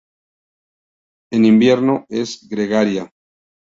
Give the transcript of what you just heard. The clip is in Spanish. En invierno es gregaria.